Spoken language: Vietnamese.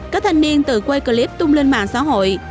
các thanh niên tự quay clip tung lên mạng xã hội